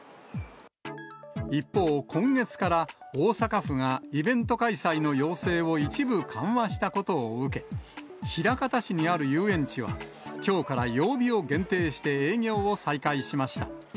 一方、今月から大阪府がイベント開催の要請を一部緩和したことを受け、枚方市にある遊園地は、きょうから曜日を限定して営業を再開しました。